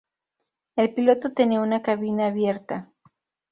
El piloto tenía una cabina abierta.